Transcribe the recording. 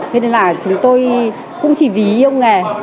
thế nên là chúng tôi cũng chỉ vì yêu nghề